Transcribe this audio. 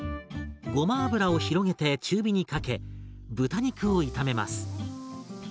ごま油を広げて中火にかけ豚肉を炒めます。